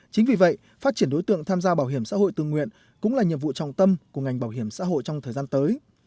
chính vì vậy phát triển đối tượng tham gia bảo hiểm xã hội tự nguyện cũng là nhiệm vụ trọng tâm của ngành bảo hiểm xã hội trong thời gian tới